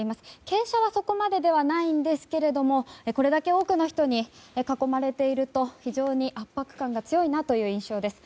傾斜は、そこまでではないんですけれどもこれだけ多くの人に囲まれていると非常に圧迫感が強いなという印象です。